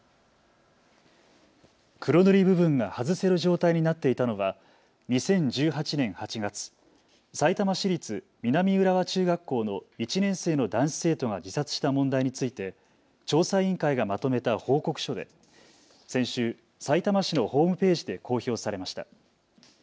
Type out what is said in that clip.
黒塗り部分が外せる状態になっていたのは２０１８年８月、さいたま市立南浦和中学校の１年生の男子生徒が自殺した問題について調査委員会がまとめた報告書で先週、さいたま市のホームページで公表されました。